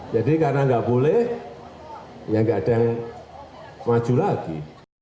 jadi karena enggak boleh ya enggak ada yang maju lagi